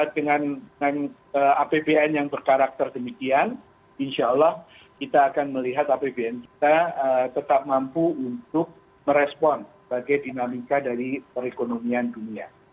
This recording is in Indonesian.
dengan apbn yang berkarakter demikian insya allah kita akan melihat apbn kita tetap mampu untuk merespon bagai dinamika dari perekonomian dunia